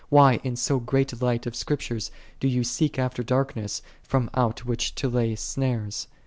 Why in so great light of Scriptures dost thou seek after darkness from out which to lay snares